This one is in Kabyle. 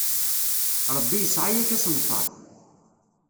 Rebbi yesɛa-ak asenfaṛ.